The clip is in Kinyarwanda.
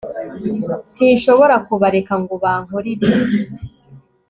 sinshobora kubareka ngo bankore ibi